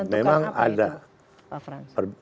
menentukan apa itu pak frans